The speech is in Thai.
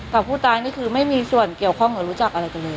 กับผู้ตายนี่คือไม่มีส่วนเกี่ยวข้องหรือรู้จักอะไรกันเลย